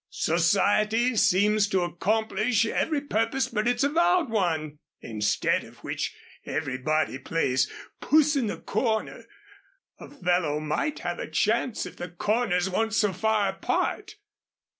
Society seems to accomplish every purpose but its avowed one. Instead of which everybody plays puss in the corner. A fellow might have a chance if the corners weren't so far apart.